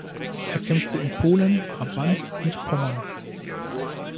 Er kämpfte in Polen, Brabant und Pommern.